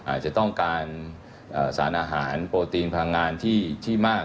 อาจจะต้องการสารอาหารโปรตีนพลังงานที่มาก